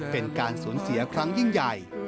เป็นการสูญเสียครั้งยิ่งใหญ่